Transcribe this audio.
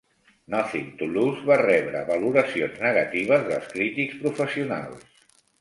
"Nothing to Lose" va rebre valoracions negatives dels crítics professionals.